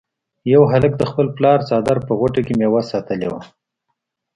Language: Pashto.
یو هلک د خپل څادر په غوټه کې میوه ساتلې وه.